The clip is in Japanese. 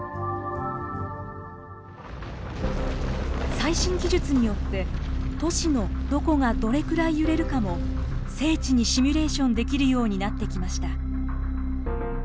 最新技術によって都市のどこがどれくらい揺れるかも精緻にシミュレーションできるようになってきました。